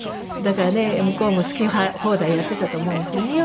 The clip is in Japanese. だからね向こうも好き放題やってたと思うんですけど。